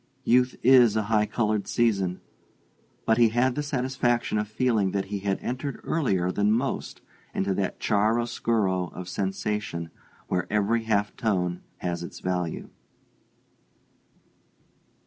Youth is a high colored season; but he had the satisfaction of feeling that he had entered earlier than most into that chiar'oscuro of sensation where every half tone has its value.